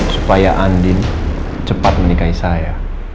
supaya andin cepat menikahi saya